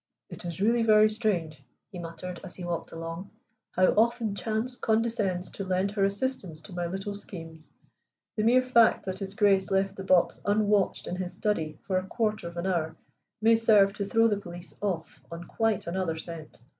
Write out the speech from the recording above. "It is really very strange," he muttered as he walked along, "how often chance condescends to lend her assistance to my little schemes. The mere fact that His Grace left the box unwatched in his study for a quarter of an hour may serve to throw the police off on quite another scent.